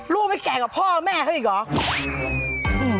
ลูกไม่แก่กับพ่อแม่เขาอีกเหรอ